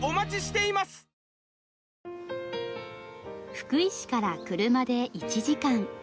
福井市から車で１時間。